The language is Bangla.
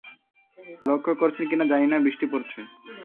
লক্ষ করেছেন কিনা জানি না, বৃষ্টি পড়ছে।